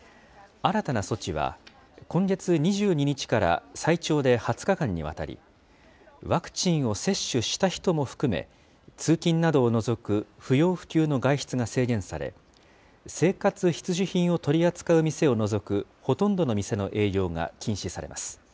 新たな措置は、今月２２日から最長で２０日間にわたり、ワクチンを接種した人も含め、通勤などを除く不要不急の外出が制限され、生活必需品を取り扱う店を除くほとんどの店の営業が禁止されます。